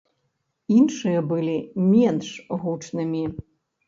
Іншыя былі менш гучнымі.